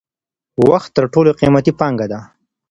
وخت تر ټولو قیمتی پانګه ده.